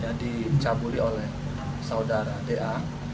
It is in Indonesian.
yang dicabuli oleh saudara da